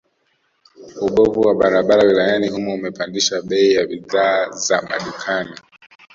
Ubovu wa barabara wilayani humo umepandisha bei ya bidhaa za madukani